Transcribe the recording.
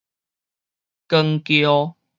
扛轎